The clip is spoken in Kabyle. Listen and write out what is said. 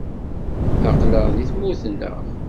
Aql-aɣ deg tmurt-nneɣ.